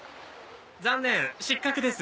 残念失格です。